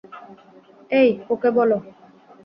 এই, ওকে বল।